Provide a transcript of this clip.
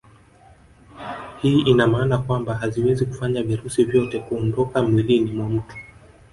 Hii ina maana kwamba haziwezi kufanya virusi vyote kuondoka mwilini mwa mtu